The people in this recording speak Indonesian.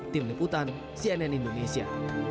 tim liputan cnn indonesia